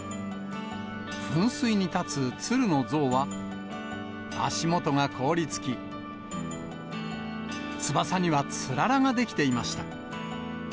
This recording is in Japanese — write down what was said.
噴水に立つ鶴の像は、足元が凍りつき、翼にはつららが出来ていました。